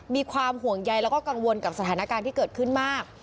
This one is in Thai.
มีความห่วงใยแล้วก็กังวลกับสถานการณ์ที่เกิดขึ้นมาก